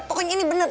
pokoknya ini bener